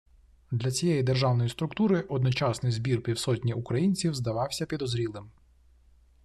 Для цієї державної структури одночасний збір півсотні українців здавався підозрілим